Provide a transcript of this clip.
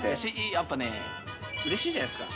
やっぱね、うれしいじゃないですか。